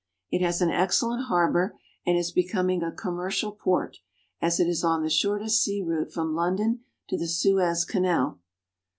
It has an excellent harbor, and is becoming a commercial port, as it is on the shortest sea route from London to the Suez Canal.